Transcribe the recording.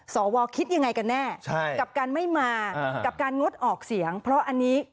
สวคิดยังไงกันแน่กับการไม่มากับการงดออกเสียงเพราะอันนี้